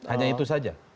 hanya itu saja